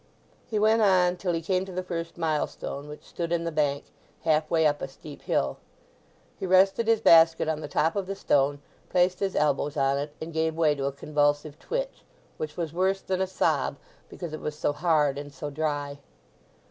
He went on till he came to the first milestone, which stood in the bank, half way up a steep hill. He rested his basket on the top of the stone, placed his elbows on it, and gave way to a convulsive twitch, which was worse than a sob, because it was so hard and so dry.